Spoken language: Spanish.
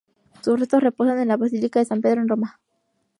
Sus restos reposan en la Basílica de San Pedro, en Roma.